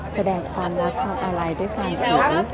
แสดงความรับความอาลัยด้วยการถ่วย